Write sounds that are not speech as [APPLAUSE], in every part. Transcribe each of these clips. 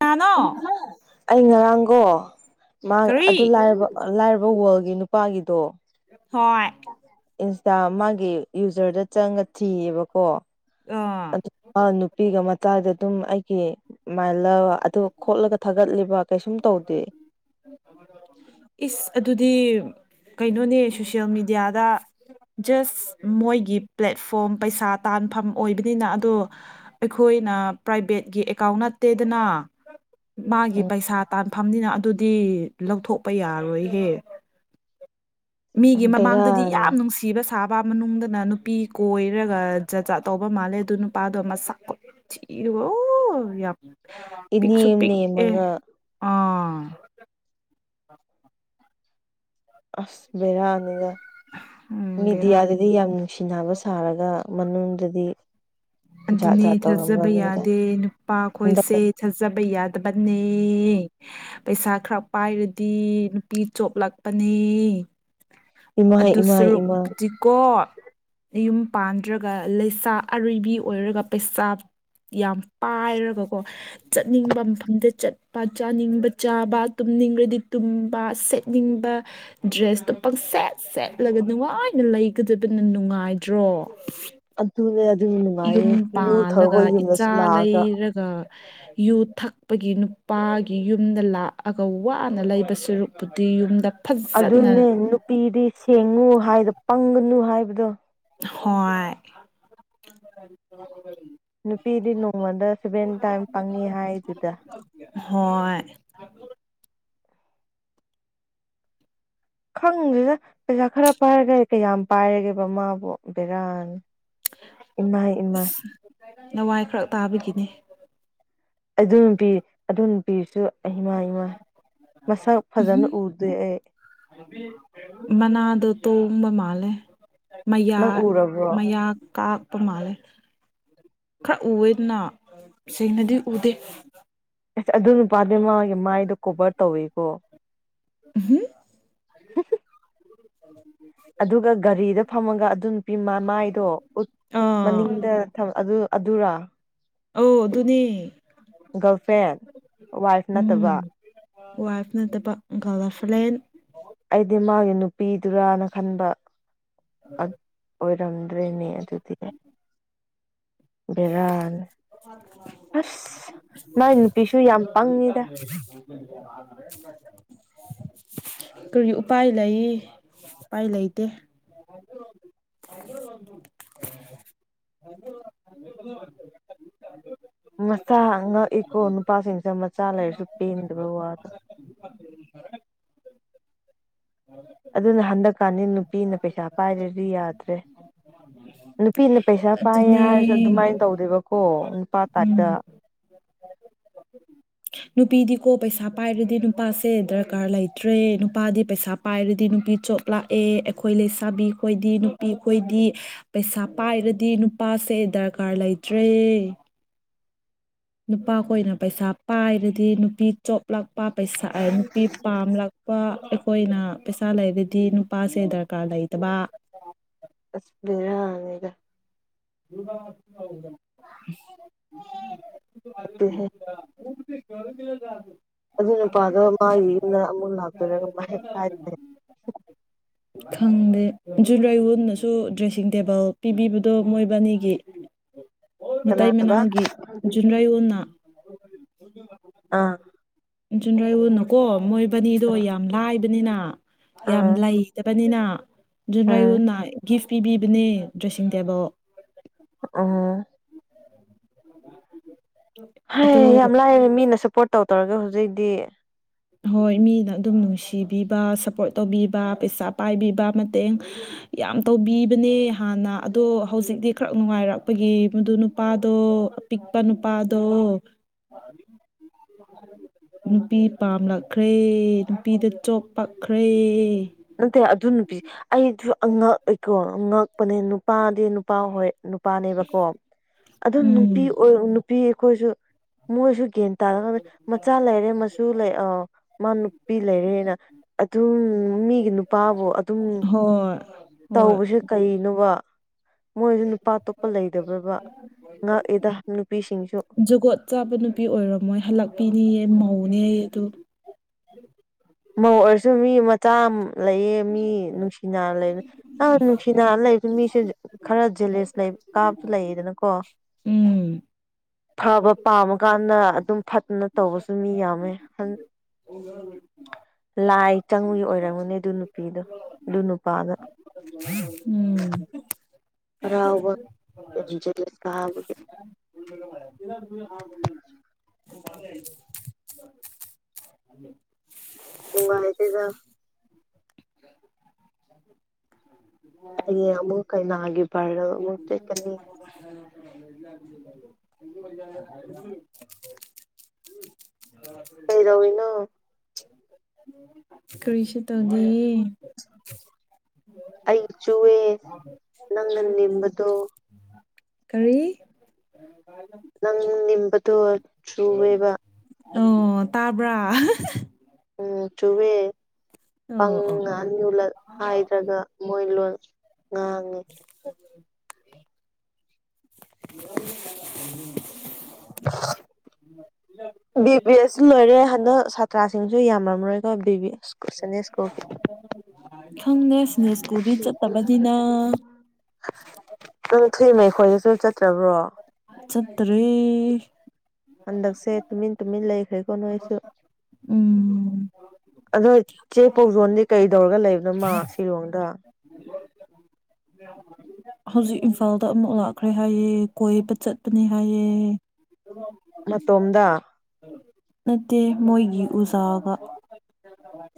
ꯀꯅꯥꯅꯣ ꯑꯩ ꯉꯔꯥꯡꯒꯣ ꯃꯥ ꯀꯔꯤ ꯑꯗꯨ ꯂꯥꯏꯔꯕ ꯑꯣ ꯂꯥꯏꯔꯕ ꯋꯥꯔꯜꯒꯤ ꯅꯨꯄꯥꯒꯤꯗꯣ ꯍꯣꯏ ꯏꯟꯁꯇꯥ ꯃꯥꯒꯤ ꯌꯨꯖꯔꯗ ꯆꯪꯒ ꯊꯤꯌꯦꯕꯀꯣ ꯑꯣ [UNINTELLIGIBLE] ꯅꯨꯄꯤꯒ ꯃꯆꯥꯒ ꯑꯗꯨꯝ ꯑꯩꯒꯤ ꯃꯥꯏ ꯂꯚ ꯑꯗꯨ ꯈꯣꯠꯂꯒ ꯊꯥꯒꯠꯂꯤꯕ ꯀꯩꯁꯨꯝ ꯇꯧꯗꯦ ꯏꯁ ꯑꯗꯨꯗꯤ ꯀꯩꯅꯣꯅꯦ ꯁꯣꯁꯌꯦꯜ ꯃꯦꯗꯤꯌꯥꯗ ꯖꯁ ꯃꯣꯏꯒꯤ ꯄ꯭ꯂꯦꯠꯐꯣꯝ ꯄꯩꯁꯥ ꯇꯥꯟꯐꯝ ꯑꯣꯏꯕꯅꯤꯅ ꯑꯗꯣ ꯑꯩꯈꯣꯏꯅ ꯄ꯭ꯔꯥꯏꯚꯦꯠꯀꯤ ꯑꯦꯀꯥꯎꯟ ꯅꯠꯇꯦꯗꯅ ꯃꯥꯒꯤ ꯎꯝ ꯄꯩꯁꯥ ꯇꯥꯟꯐꯝꯅꯤꯅ ꯑꯗꯨꯗꯤ ꯂꯧꯊꯣꯛꯄ ꯌꯥꯔꯣꯏꯍꯦ ꯃꯤꯒꯤ ꯃꯃꯥꯡꯗꯗꯤ ꯕꯦꯔꯥꯅꯤ ꯌꯥꯝ ꯅꯨꯡꯁꯤꯕ ꯁꯥ ꯁꯥꯕ ꯃꯅꯨꯡꯗꯅ ꯅꯨꯄꯤ ꯀꯣꯏꯔꯒ ꯖꯥꯠꯖꯥꯠ ꯇꯧꯕ ꯃꯥꯜꯂꯦ ꯑꯗꯨ ꯅꯨꯄꯥꯗꯣ ꯑꯁꯛ [UNINTELLIGIBLE] ꯌꯥꯝ ꯄꯤꯛꯁꯨ ꯏꯅꯦꯝ ꯄꯤꯛ ꯑꯦ ꯅꯦꯝꯃꯒ ꯑꯥ [INAUDIBLE] ꯑꯁ ꯕꯦꯔꯥꯅꯤꯗ ꯎꯝ ꯕꯦꯔꯥ ꯃꯤꯗꯤꯌꯥꯗ ꯗꯤ ꯌꯥꯝ ꯅꯨꯡꯁꯤꯅꯕ ꯁꯥꯔꯒ ꯃꯅꯨꯡꯗꯗꯤ ꯖꯥꯠ ꯑꯗꯨꯅꯦ ꯖꯥꯠ ꯊꯥꯖꯕ ꯇꯧꯔꯝꯕꯅꯤꯗ ꯌꯥꯗꯦ ꯅꯨꯄꯥ ꯍꯟꯗꯛ ꯈꯣꯏꯁꯦ ꯊꯥꯖꯕ ꯌꯥꯗꯕꯅꯦ ꯄꯩꯁꯥ ꯈꯔ ꯄꯥꯏꯔꯗꯤ ꯅꯨꯄꯤ ꯆꯣꯞꯂꯛꯄꯅꯦ ꯏꯃꯥꯏ ꯑꯗꯨ ꯏꯃꯥꯏ ꯁꯔꯨꯛ ꯏꯃꯥ [UNINTELLIGIBLE] ꯀꯣ ꯌꯨꯝ ꯄꯥꯟꯗ꯭ꯔꯒ ꯂꯩꯁꯥ ꯑꯔꯩꯕꯤ ꯑꯣꯏꯔꯒ ꯄꯩꯁꯥ ꯌꯥꯝ ꯄꯥꯏꯔꯒꯀꯣ ꯆꯠꯅꯤꯡꯕ ꯃꯐꯝꯗ ꯆꯠꯄ ꯆꯥꯅꯤꯡꯕ ꯆꯥꯕ ꯇꯨꯝꯅꯤꯡꯔꯗꯤ ꯇꯨꯝꯕ ꯅꯤꯡꯕ ꯗ꯭ꯔꯦꯁꯇꯣ ꯄꯪ ꯁꯦꯠ ꯁꯦꯠꯂꯒ ꯅꯨꯡꯉꯥꯏꯅ ꯂꯩꯒꯗꯕꯅ ꯅꯨꯡꯉꯥꯏꯗ꯭ꯔꯣ ꯑꯗꯨꯅꯦ ꯑꯗꯨꯅꯦ ꯌꯨꯝ ꯄꯥꯜꯂꯒ ꯏꯆꯥ ꯂꯥꯛꯑꯒ ꯂꯩꯔꯒ ꯌꯨ ꯊꯛꯄꯒꯤ ꯅꯨꯄꯥꯒꯤ ꯌꯨꯝꯗ ꯂꯥꯛꯑꯒ ꯋꯥꯅ ꯂꯩꯕ ꯁꯔꯨꯛꯄꯨꯗꯤ ꯌꯨꯝꯗ ꯐꯖꯅ ꯑꯗꯨꯅꯦ ꯅꯨꯄꯤꯗꯤ ꯁꯦꯡꯉꯨ ꯍꯥꯏꯗ ꯄꯪꯒꯅꯨ ꯍꯥꯏꯕꯗꯣ ꯍꯣꯏ [UNINTELLIGIBLE] ꯅꯨꯄꯤꯗꯤ ꯅꯣꯡꯃꯗ ꯁꯚꯦꯟ ꯇꯥꯏꯝ ꯄꯪꯉꯤ ꯍꯥꯏꯗꯨꯗ ꯍꯣꯏ ꯈꯪꯗꯦꯗ ꯄꯩꯁꯥ ꯈꯔ ꯄꯥꯏꯔꯒ ꯀꯌꯥꯝ ꯄꯥꯏꯔꯒꯦꯕ ꯃꯥꯕꯨ ꯕꯦꯔꯥꯅꯤ ꯏꯃꯥꯏ ꯏꯃꯥꯏ ꯂꯋꯥꯏ ꯈꯔ ꯇꯥꯕꯒꯤꯅꯤ ꯑꯗꯨ ꯅꯨꯄꯤ ꯑꯗꯨ ꯅꯨꯄꯤꯁꯨ ꯏꯃꯥ ꯏꯃꯥ ꯃꯁꯛ ꯐꯖꯅ ꯎꯝꯍꯨꯝ ꯎꯗꯦ ꯑꯩ [UNINTELLIGIBLE] ꯃꯅꯥꯗꯣ ꯇꯣꯡꯕ ꯃꯥꯜꯂꯦ ꯃꯌꯥ ꯅꯪ ꯎꯔꯕ꯭ꯔꯣ ꯃꯌꯥ ꯀꯥꯛ ꯄ ꯃꯥꯜꯂꯦ ꯈꯔ ꯎꯋꯦꯗꯅ ꯁꯦꯡꯅꯗꯤ ꯎꯗꯦ ꯑꯁ ꯑꯗꯨ ꯅꯨꯄꯥꯗꯤ ꯃꯥꯒꯤ ꯃꯥꯏꯗꯣ ꯀꯣꯚꯔ ꯇꯧꯋꯤꯀꯣ ꯎꯝꯍꯨꯝ ꯑꯗꯨꯒ ꯒꯥꯔꯤꯗ ꯐꯝꯃꯒ ꯑꯗꯨ ꯅꯨꯄꯤ ꯃ ꯃꯥꯏꯗꯣ ꯎꯠ ꯑꯥ ꯃꯅꯤꯡꯗ ꯊꯝ ꯑꯗꯨ ꯑꯗꯨꯔ ꯑꯧ ꯑꯗꯨꯅꯦ ꯒꯔꯜꯐ꯭ꯔꯦꯟ ꯋꯥꯏꯐ ꯎꯝ ꯅꯠꯇꯕ ꯋꯥꯏꯐ ꯅꯠꯇꯕ ꯒꯜꯂꯜ ꯐ꯭ꯂꯦꯟ ꯑꯩꯗꯤ ꯃꯥꯒꯤ ꯅꯨꯄꯤꯗꯨꯔꯥꯅ ꯈꯟꯕ ꯑꯛ ꯑꯣꯏꯔꯝꯗ꯭ꯔꯦꯅꯦ ꯑꯗꯨꯗꯤ ꯕꯦꯔꯥꯅꯤ [UNINTELLIGIBLE] [UNINTELLIGIBLE] ꯑꯁ ꯃꯥꯏ ꯅꯨꯄꯤꯁꯨ ꯌꯥꯝ ꯄꯪꯉꯤꯗ [UNINTELLIGIBLE] ꯀꯔꯤ ꯎꯄꯥꯏ ꯂꯩ ꯎꯄꯥꯏ ꯂꯩꯇꯦ [INAUDIBLE] [INAUDIBLE] [INAUDIBLE] ꯃꯆꯥ ꯉꯛꯏꯀꯣ ꯅꯨꯄꯥꯁꯤꯡꯁꯦ ꯃꯆꯥ ꯂꯩꯥꯏꯔꯁꯨ ꯄꯦꯟꯗꯕ ꯋꯥꯗ [UNINTELLIGIBLE] [UNINTELLIGIBLE] ꯑꯗꯨꯅ ꯍꯟꯗꯛꯀꯥꯟꯗꯤ ꯅꯨꯄꯤꯅ ꯄꯩꯁꯥ ꯄꯥꯏꯗ꯭ꯔꯗꯤ ꯌꯥꯗ꯭ꯔꯦ ꯅꯨꯄꯤꯅ ꯄꯩꯁꯥ ꯄꯥꯏꯌꯦ ꯍꯥꯏꯔꯁꯨ ꯑꯗꯨꯅꯦ ꯑꯗꯨꯃꯥꯏꯟ ꯇꯧꯗꯦꯕꯀꯣ ꯅꯨꯄꯥ ꯇꯥꯏꯞꯇ ꯎꯝ ꯅꯨꯄꯤꯗꯤꯀꯣ ꯄꯩꯁꯥ ꯄꯥꯏꯔꯗꯤ ꯅꯨꯄꯥꯁꯦ ꯗꯔꯀꯥꯔ ꯂꯩꯇ꯭ꯔꯦ ꯅꯨꯄꯥꯗꯤ ꯄꯩꯁꯥ ꯄꯥꯏꯔꯗꯤ ꯅꯨꯄꯤ ꯆꯣꯞꯂꯥꯛꯑꯦ ꯑꯩꯈꯣꯏ ꯂꯩꯁꯥꯕꯤ ꯈꯣꯏꯗꯤ ꯅꯨꯄꯤ ꯈꯣꯏꯗꯤ ꯄꯩꯁꯥ ꯄꯥꯏꯔꯗꯤ ꯅꯨꯄꯥꯁꯦ ꯗꯔꯀꯥꯔ ꯂꯩꯇ꯭ꯔꯦ ꯅꯨꯄꯥꯈꯣꯏꯅ ꯄꯩꯁꯥ ꯄꯥꯏꯕꯗꯤ ꯅꯨꯄꯤ ꯆꯣꯞꯂꯛꯄ ꯄꯩꯁꯥ ꯑ ꯅꯨꯄꯤ ꯄꯥꯝꯂꯛ ꯄꯥ ꯑꯩꯈꯣꯏꯅ ꯄꯩꯁꯥ ꯂꯩꯔꯗꯤ ꯅꯨꯄꯥꯁꯦ ꯗꯔꯀꯥꯔ ꯂꯩꯇꯕ ꯑꯁ ꯕꯦꯔꯥꯅꯤꯗ [UNINTELLIGIBLE] [UNINTELLIGIBLE] [UNINTELLIGIBLE] ꯅꯠꯇꯦꯍꯦ [UNINTELLIGIBLE] [UNINTELLIGIBLE] [UNINTELLIGIBLE] ꯑꯗꯨ ꯅꯨꯄꯥꯗꯣ ꯃꯥꯒꯤ ꯌꯨꯝꯗ ꯑꯃꯨꯛ ꯂꯥꯛꯇꯔꯒ ꯃꯍꯦꯞ ꯇꯥꯏꯗꯦ ꯈꯪꯗꯦ ꯖꯨꯟꯔꯩꯋꯨꯟꯅꯁꯨ ꯗ꯭ꯔꯦꯁꯤꯡ ꯇꯦꯕꯜ ꯄꯤꯕꯤꯕꯗꯣ ꯃꯣꯏꯕꯥꯅꯤꯒꯤ ꯀꯅꯥ ꯃꯇꯩ ꯍꯕ ꯃꯅꯥꯎꯒꯤ ꯖꯨꯟꯔꯩ ꯋꯨꯟꯅ ꯑꯥ ꯖꯨꯟꯔꯩꯋꯨꯟꯅꯀꯣ ꯃꯣꯏꯕꯅꯤꯗꯣ ꯌꯥꯝ ꯂꯥꯏꯕꯅꯤꯅ ꯌꯥꯝ ꯑꯥ ꯂꯩ ꯇꯕꯅꯤꯅ ꯎꯝ ꯖꯨꯟꯔꯩꯌꯨꯟꯅ ꯒꯤꯐ ꯄꯤꯕꯤꯕꯅꯦ ꯗ꯭ꯔꯦꯁꯤꯡ ꯇꯦꯕꯜ ꯑꯍ ꯍꯥꯏ ꯑꯗꯣ ꯌꯥꯝ ꯂꯥꯏꯔꯦ ꯃꯤꯅ ꯁꯞꯄꯣꯔꯠ ꯇꯧ ꯇꯧꯔꯒꯦ ꯍꯧꯖꯤꯛꯗꯤ ꯍꯣꯏ ꯃꯤꯅ ꯑꯗꯨꯝ ꯅꯨꯡꯁꯤꯕꯤꯕ ꯁꯞꯄꯣꯔꯠ ꯇꯧꯕꯤꯕ ꯄꯩꯁꯥ ꯄꯥꯏꯕꯤꯕ ꯃꯇꯦꯡ ꯌꯥꯝ ꯇꯧꯕꯤꯕꯅꯦ ꯍꯥꯟꯅ ꯑꯗꯣ ꯍꯧꯖꯤꯛꯗꯤ ꯈ꯭ꯔ ꯅꯨꯡꯉꯥꯏꯔꯛꯄꯒꯤ ꯃꯗꯨ ꯅꯨꯄꯥꯗꯣ ꯄꯤꯛꯄ ꯅꯨꯄꯥꯗꯣ ꯅꯨꯄꯤ ꯄꯥꯝꯂꯛꯈ꯭ꯔꯦ ꯅꯨꯄꯤꯗ ꯆꯣꯞ ꯄꯛꯈ꯭ꯔꯦ ꯅꯠꯇꯦ ꯑꯗꯨ ꯅꯨꯄꯤ ꯑꯩꯗꯨ ꯑꯉꯛ ꯑꯦꯀꯣ ꯑꯉꯛꯄꯅꯦ ꯅꯨꯄꯥꯗꯤ ꯅꯨꯄꯥ ꯍꯣꯏ ꯅꯨ ꯄꯥꯅꯦꯕꯀꯣ ꯑꯗꯨ ꯅꯨꯄꯤ ꯎꯝ ꯑꯣꯏ ꯎꯪ ꯅꯨꯄꯤ ꯑꯩꯈꯣꯏꯁꯨ ꯃꯣꯏꯁꯨ ꯀꯦꯟ [UNINTELLIGIBLE] ꯃꯆꯥ ꯂꯩꯔꯦ ꯃꯁꯨ ꯂꯩ ꯑꯧ ꯃꯥ ꯅꯨꯄꯤ ꯂꯩꯔꯦꯅ ꯑꯗꯨꯝ ꯃꯤ ꯏ ꯅꯨꯄꯥꯕꯨ ꯑꯗꯨꯝ ꯍꯣꯏ ꯍꯣꯏ ꯇꯧꯕꯁꯦ ꯀꯩꯅꯣꯕ ꯃꯣꯏꯖꯨ ꯅꯨꯄꯥ ꯑꯇꯣꯞꯄ ꯂꯩꯗꯕ꯭ꯔꯕ ꯉꯛꯏꯗꯥ ꯅꯨꯄꯤꯁꯤꯡꯁꯨ ꯖꯒꯣꯠ ꯆꯥꯕ ꯅꯨꯄꯤ ꯑꯣꯏꯔꯝꯃꯣꯏ ꯍꯜꯂꯛꯄꯤꯅꯤꯌꯦ ꯃꯧꯅꯦꯌꯦ ꯗꯨ ꯃꯧ ꯑꯣꯏꯔꯁꯨ ꯃꯤ ꯃꯆꯥ ꯂꯩꯌꯦ ꯃꯤ ꯅꯨꯡꯁꯤꯅꯥ ꯂꯩꯕ ꯑꯥ ꯅꯨꯡꯁꯤꯅꯥ ꯂꯩꯕ ꯃꯤꯁꯦ ꯈꯔ ꯖꯦꯂꯦꯁ ꯂꯩ ꯀꯥꯕꯁꯨ ꯂꯩꯌꯦꯗꯅ ꯀꯣ ꯎꯝ ꯐꯕ ꯄꯥꯝꯃꯀꯥꯟꯗ ꯑꯗꯨꯝ ꯐꯠꯇꯅ ꯇꯧꯕꯁꯨ ꯃꯤ ꯌꯥꯝꯃꯦ ꯍꯔ ꯀꯃ ꯂꯥꯏ ꯆꯪꯕꯨꯒꯤ ꯑꯣꯏꯔꯝꯒꯨꯅꯦ ꯑꯗꯨ ꯅꯨꯄꯤꯗꯣ ꯑꯗꯨ ꯅꯨꯄꯥꯗ ꯎꯝ ꯍꯔꯥꯎꯕ ꯌꯥꯝꯁꯤꯠꯂ ꯁꯥꯕꯒꯤ ꯍꯥꯣꯂ [UNINTELLIGIBLE] ꯍꯥꯏꯗꯤꯗ ꯑꯩ ꯑꯃꯨꯛ ꯀꯥꯏꯩꯅ ꯍꯥꯏꯒꯤꯦꯕꯥꯔ ꯑꯃꯨꯛꯛꯇ ꯀꯅꯤ [UNINTELLIGIBLE] ꯀꯩꯗꯧꯔꯤꯅꯣ [INAUDIBLE] ꯀꯔꯤꯁꯨ ꯇꯧꯗꯤꯌꯦ ꯑꯩ ꯆꯨꯑꯦ ꯅꯪꯅ ꯅꯦꯝꯕꯗꯣ ꯀꯔꯤ ꯅꯪ [UNINTELLIGIBLE] ꯆꯨꯑꯦꯕ ꯑꯣ ꯇꯥꯕ꯭ꯔꯥ ꯎꯝ ꯆꯨꯋꯦ [UNINTELLIGIBLE] ꯍꯥꯏꯗ꯭ꯔꯒ ꯃꯣꯏ ꯂꯣꯟ ꯉꯥꯡꯉꯤ [UNINTELLIGIBLE] ꯕꯤ ꯕꯤ ꯑꯦꯁ ꯂꯣꯏꯔꯦ ꯍꯟꯗꯛ ꯁꯥꯇ꯭ꯔꯥꯁꯤꯡꯁꯨ ꯌꯥꯝꯔꯝꯔꯣꯏꯀꯣ ꯕꯤ ꯕꯤ ꯑꯦꯁ ꯁꯟꯗꯦ ꯁ꯭ꯀꯨꯜꯒꯤ ꯈꯪꯗꯦ [UNINTELLIGIBLE] ꯁ꯭ꯀꯨꯜꯗꯤ ꯆꯠꯇꯕꯅꯤꯅ ꯅꯪ ꯊꯨꯏ ꯃꯩꯈꯣꯏꯗꯁꯨ ꯆꯠꯇ꯭ꯔꯕ꯭ꯔꯣ ꯆꯠꯇ꯭ꯔꯦ ꯍꯟꯗꯛꯁꯦ ꯇꯨꯃꯤꯟ ꯇꯨꯃꯤꯟ ꯂꯩꯈ꯭ꯔꯦꯀꯣ ꯅꯣꯏꯁꯨ ꯎꯝ ꯑꯗꯣ ꯆꯦ ꯄꯧꯖꯣꯟꯗꯤ ꯀꯩ ꯇꯧꯔꯒ ꯂꯩꯕꯅꯣ ꯃꯥ ꯁꯤꯂꯣꯡꯗ [INAUDIBLE] ꯍꯧꯖꯤꯛ ꯏꯝꯐꯥꯜꯗ ꯑꯃꯨꯛ ꯂꯥꯛꯈ꯭ꯔꯦ ꯍꯥꯏꯌꯦ ꯀꯣꯏꯕ ꯆꯠꯄꯅꯦ ꯍꯥꯏꯌꯦ ꯃꯇꯣꯝꯗ ꯅꯠꯇꯦ ꯃꯣꯏꯒꯤ ꯎꯖꯥꯒ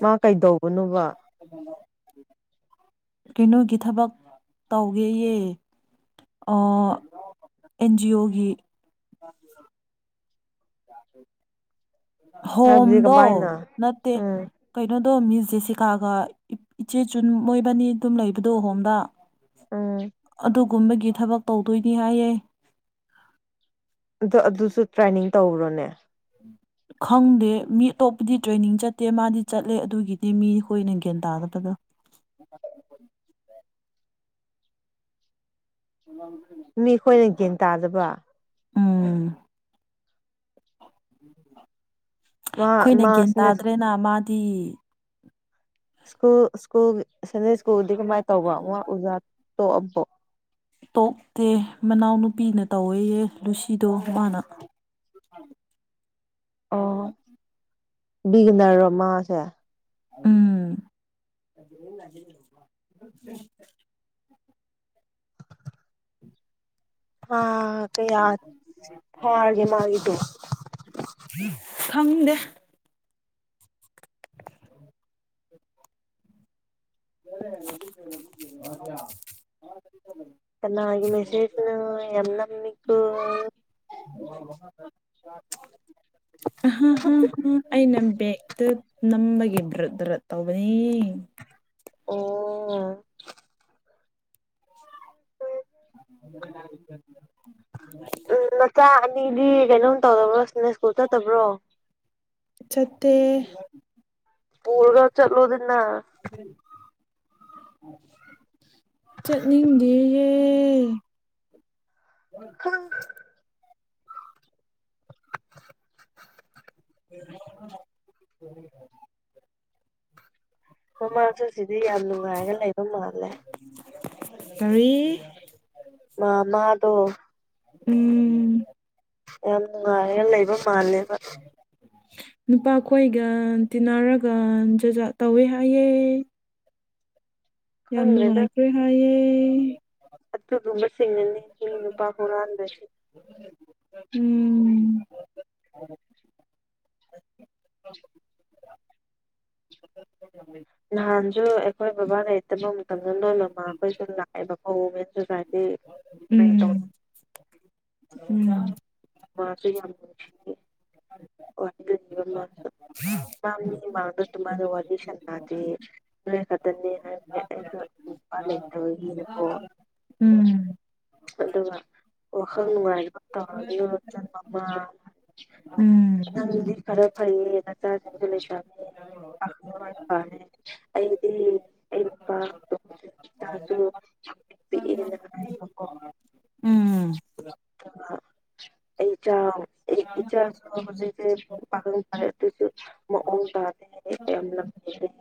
ꯃꯥ ꯀꯩꯗꯧꯕꯅꯣꯕ [UNINTELLIGIBLE] ꯀꯩꯅꯣꯒꯤ ꯊꯕꯛ ꯇꯧꯋꯦꯌꯦ ꯑꯩ ꯑꯦꯟ ꯖꯤ ꯑꯣꯒꯤ [UNINTELLIGIBLE] ꯍꯥꯏꯕꯗꯤ ꯍꯣꯝꯗꯣ ꯀꯃꯥꯏꯅ ꯅꯠꯇꯦ ꯎꯝ ꯀꯩꯅꯣꯗꯣ ꯃꯤꯁ ꯖꯦꯁꯤꯀꯥꯒ ꯏꯆꯦ ꯆꯨꯟ ꯃꯣꯏꯕꯅꯤ ꯑꯗꯨꯝ ꯂꯩꯕꯗꯣ ꯍꯣꯝꯗ ꯎꯝ ꯑꯗꯨꯒꯨꯝꯕꯒꯤ ꯊꯕꯛ ꯇꯧꯗꯣꯏꯅꯤ ꯍꯥꯏꯌꯦ ꯑꯗꯨ ꯑꯗꯨꯁꯨ ꯇ꯭ꯔꯦꯟꯅꯤꯡ ꯇꯧꯕ꯭ꯔꯅꯦ ꯈꯪꯗꯦ ꯃꯤ ꯑꯇꯣꯞꯄꯗꯤ ꯇ꯭ꯔꯦꯅꯤꯡ ꯆꯠꯇꯦ ꯃꯥꯗꯤ ꯆꯠꯂꯦ ꯑꯗꯨꯒꯤꯗꯤ ꯃꯤ ꯑꯩꯈꯣꯏꯅ ꯒ꯭ꯌꯥꯟ ꯇꯥꯒꯗꯕꯗꯣ [UNINTELLIGIBLE] ꯃꯤ ꯈꯣꯏꯅ ꯒ꯭ꯌꯥꯟ ꯇꯥꯗꯕ ꯎꯝ ꯃꯥ ꯑꯩꯈꯣꯏꯅ ꯃꯥ ꯒ꯭ꯌꯥꯟ ꯁꯤꯅ ꯇꯥꯗ꯭ꯔꯦꯅ ꯃꯥꯗꯤ ꯁ꯭ꯀꯨꯜ ꯁ꯭ꯀꯨꯜ ꯁꯟꯗꯦ ꯁ꯭ꯀꯨꯜꯗꯤ ꯀꯃꯥꯏ ꯇꯧꯕ ꯋꯥ ꯑꯣꯖꯥ ꯇꯣꯛꯑꯕꯣ ꯇꯣꯛꯇꯦ ꯃꯅꯥꯎꯅꯨꯄꯤꯅ ꯇꯧꯋꯦꯌꯦ ꯂꯨꯁꯤꯗꯣ ꯃꯥꯅ [INAUDIBLE] [INAUDIBLE] ꯕꯤꯒꯅꯔꯔ ꯃꯥꯁꯦ ꯎꯝ [UNINTELLIGIBLE] ꯊꯥ ꯀꯌꯥ ꯐꯥꯔꯒꯦ ꯃꯥꯒꯤꯗꯣ ꯈꯪꯗꯦ [UNINTELLIGIBLE] ꯀꯅꯥꯒꯤ ꯃꯦꯁꯦꯖꯅꯣ ꯌꯥꯝ ꯅꯝꯃꯤꯀꯣ [UNINTELLIGIBLE] ꯑ ꯍ ꯍ ꯍ ꯑꯩꯅ ꯕꯦꯛꯇ ꯅꯝꯕꯒꯤ ꯗ꯭ꯔ ꯗ꯭ꯔ ꯇꯧꯕꯅꯦ ꯑꯣ [UNINTELLIGIBLE] ꯎꯝ ꯅꯆꯥ ꯑꯅꯤꯗꯤ ꯀꯩꯅꯣꯝ ꯇꯧꯗꯕ꯭ꯔꯣ ꯁꯤꯅ ꯁ꯭ꯀꯨꯜ ꯆꯠꯇꯕ꯭ꯔꯣ ꯆꯠꯇꯦ ꯄꯨꯔꯒ ꯆꯠꯂꯣꯗꯅ ꯆꯠꯅꯤꯡꯗꯦꯌꯦ ꯍꯥ [INAUDIBLE] [UNINTELLIGIBLE] ꯃꯃꯥꯖꯨ ꯁꯤꯗꯤ ꯌꯥꯝ ꯅꯨꯡꯉꯥꯏꯔꯒ ꯂꯩꯕ ꯃꯥꯜꯂꯦ ꯇꯔꯤ ꯃꯥ ꯃꯥꯗꯣ ꯎꯝ ꯌꯥꯝ ꯅꯨꯡꯉꯥꯏꯔꯒ ꯂꯩꯕ ꯃꯥꯜꯂꯦꯕ ꯅꯨꯄꯥꯈꯣꯏꯒ ꯇꯤꯟꯅꯔꯒ ꯖꯖꯥꯠ ꯇꯧꯋꯦ ꯍꯥꯏꯌꯦ ꯌꯥꯝ ꯈꯪꯗꯦꯗ ꯅꯨꯡꯉꯥꯏꯈ꯭ꯔꯦ ꯍꯥꯏꯌꯦ ꯑꯗꯨꯒꯨꯝꯕꯁꯤꯡꯅꯅꯤ ꯃꯤꯒꯤ ꯅꯨꯄꯥ ꯍꯨꯔꯥꯟꯕꯁꯦ ꯎꯝ [UNINTELLIGIBLE] ꯅꯍꯥꯟꯖꯨ ꯑꯩꯈꯣꯏ ꯕꯕꯥ ꯂꯩꯇꯕ ꯃꯇꯝꯗ ꯅꯣꯏ ꯅꯃꯥꯈꯣꯏꯁꯨ ꯂꯥꯛꯑꯦꯕꯀꯣ ꯃꯦꯟꯁꯨꯨꯀꯥꯏ ꯗꯤ ꯄ꯭ꯔꯦꯡ ꯇꯧ ꯎꯝ ꯎꯝ [UNINTELLIGIBLE] ꯋꯥꯗꯅꯤꯕ ꯃꯥꯁꯨ ꯃꯥ ꯃꯤ ꯃꯥꯡꯗ ꯑꯗꯨꯃꯥꯏꯅ ꯋꯥꯔꯤ ꯁꯥꯟꯅꯗꯦ ꯅꯣꯏ ꯈꯛꯇꯅꯦꯅ ꯍꯥꯏꯕꯅꯦ ꯑꯩꯁꯨ ꯎꯝ ꯅꯨꯄꯥ ꯂꯩꯇꯕꯒꯤ ꯑꯗꯨꯝ ꯎꯝ ꯑꯗꯨꯒ ꯋꯥꯈꯜ ꯅꯨꯡꯉꯥꯏꯅꯕ ꯇꯧꯔꯒ ꯅꯆꯟ ꯅꯨꯄꯥ ꯑꯃ ꯎꯝ ꯅꯪꯗꯤ ꯈꯔ ꯐꯩꯌꯦ ꯅꯆꯥꯁꯤꯡꯁꯨ ꯂꯩꯁꯥꯕꯤꯅꯤ ꯄꯥꯂꯦ ꯑꯩꯗꯤ ꯑꯩ ꯅꯨꯄꯥ ꯏꯆꯥꯁꯨ ꯌꯥꯝ ꯄꯤꯛꯑꯦꯅ ꯍꯥꯏꯕꯀꯣ ꯎꯝ ꯑꯗꯨꯒ ꯑꯩ ꯏꯆꯥꯎ ꯑꯩ ꯏꯆꯥꯁꯨ ꯍꯧꯖꯤꯛꯇꯤ ꯄꯥꯈꯪ ꯐꯥꯔꯦ ꯑꯗꯨꯁꯨ ꯃꯑꯣꯡ ꯇꯥꯗꯦ ꯍꯥꯏꯔꯦ ꯌꯥꯝ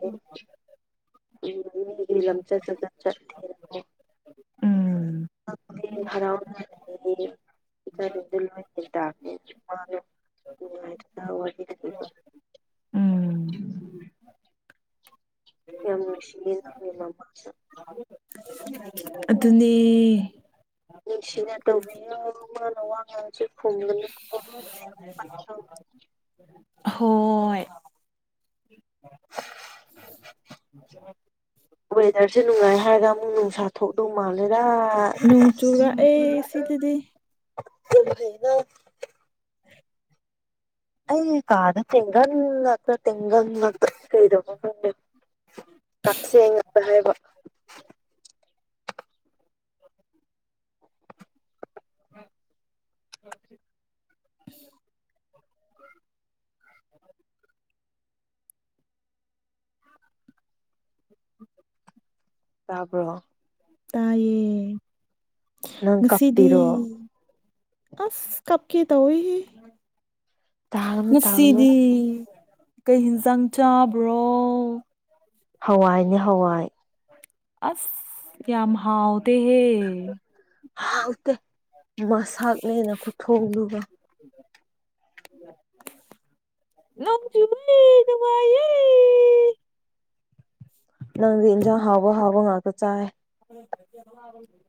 ꯎꯝ ꯎꯝ ꯃꯤꯒꯤ ꯂꯝꯆꯠ ꯁꯥꯖꯠ ꯆꯠꯇꯦꯕꯀꯣ ꯎꯝ ꯑꯗꯨꯅꯦ ꯍꯔꯥꯎꯅ ꯂꯩꯌꯦ [UNINTELLIGIBLE] ꯅꯨꯡꯉꯥꯏꯗꯨꯅ ꯋꯥꯔꯤꯒ ꯂꯤꯕ ꯎꯝ ꯌꯥꯝ ꯅꯨꯡꯁꯤꯌꯦ ꯅꯪꯒꯤ ꯃꯃꯥꯁꯨ ꯑꯗꯨꯅꯦ ꯅꯨꯡꯁꯤꯅ ꯇꯧꯕꯤꯌꯣ ꯃꯥꯅ ꯋꯥ ꯉꯥꯡꯉꯁꯨ [UNINTELLIGIBLE] ꯑꯍꯣꯏ [INAUDIBLE] ꯑ ꯋꯦꯗ꯭ꯔꯁꯦ ꯅꯨꯡꯉꯥꯏ ꯍꯥꯏꯔꯒ ꯑꯃꯨꯛ ꯅꯨꯡꯁꯥ ꯊꯣꯛꯇꯧ ꯃꯥꯜꯂꯦꯗꯥ ꯅꯣꯡ ꯆꯨꯔꯥꯛꯑꯦ ꯁꯤꯗꯗꯤ ꯌꯥꯝ ꯐꯩꯅ ꯑꯩꯒꯤ ꯀꯥꯗ ꯇꯦꯡꯒꯟ ꯉꯥꯛꯇ ꯇꯦꯡꯒꯜ ꯉꯥꯛꯇ ꯀꯩꯗꯧꯕꯅꯣ ꯈꯪꯗꯦ ꯀꯥꯛꯆꯦꯡ ꯉꯥꯛꯇ ꯍꯥꯏꯕ [INAUDIBLE] [INAUDIBLE] ꯇꯥꯕ꯭ꯔꯣ ꯇꯥꯏꯌꯦ ꯅꯪ ꯉꯁꯤꯗꯤ ꯀꯞꯄꯤꯔꯣ ꯑꯁ ꯀꯞꯀꯦ ꯇꯧꯋꯦꯍꯦ ꯇꯥꯒꯅꯨ ꯇꯥꯒꯅꯨ ꯉꯁꯤꯗꯤ ꯀꯩ ꯌꯦꯟꯁꯥꯡ ꯆꯥꯕ꯭ꯔꯣ ꯍꯋꯥꯏꯅꯦ ꯍꯋꯥꯏ ꯑꯁ ꯌꯥꯝ ꯍꯥꯎ ꯍꯥꯎꯇꯦ ꯃꯁꯛꯅꯦꯅ ꯈꯨꯊꯣꯡꯂꯨꯕ [UNINTELLIGIBLE] ꯅꯝꯖꯨꯃ ꯅꯨꯅꯨꯡꯃꯦ ꯅꯪꯗꯤ ꯏꯟꯖꯥꯡ ꯍꯥꯎꯕ ꯍꯥꯎꯕ ꯉꯥꯛꯇ ꯆꯥꯏ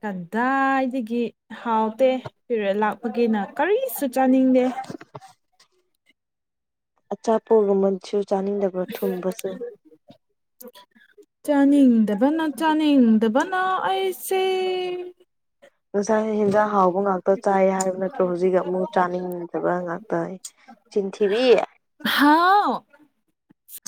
ꯀꯗꯥꯏꯗꯒꯤ ꯍꯥꯎꯇꯦ ꯐꯤꯔꯦ ꯂꯥꯛꯄꯒꯦꯅ ꯀꯔꯤꯁꯨ ꯆꯥꯅꯤꯡꯗꯦ ꯑꯆꯥꯄꯣꯒꯨꯝꯟꯁꯨ [UNINTELLIGIBLE] ꯆꯥꯅꯤꯡꯗꯕꯅ ꯆꯥꯅꯤꯡꯗꯕꯅ ꯑꯩꯁꯦ ꯉꯁꯥꯏ ꯍꯦꯟꯖꯥꯡ ꯍꯥꯎꯕ ꯉꯥꯛꯇ ꯆꯥꯏ ꯍꯥꯏꯕ ꯅꯠꯇ꯭ꯔꯣ ꯍꯧꯖꯤꯛꯒ ꯑꯃꯨꯛ ꯆꯥꯅꯤꯡꯗꯕ ꯉꯥꯛꯇ ꯆꯤꯟꯊꯤꯕꯤ ꯍꯥꯎ